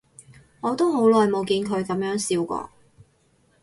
我都好耐冇見佢噉樣笑過